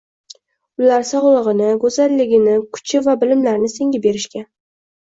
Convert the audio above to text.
Ular sogʻligini, goʻzalligini, kuchi va bilimlarini senga berishgan.